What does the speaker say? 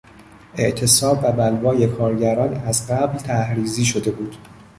اعتصاب و بلوای کارگران از قبل طرح ریزی شده بود.